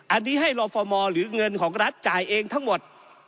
อันนี้ให้รอฟมหรือเงินของรัฐจ่ายเองทั้งหมด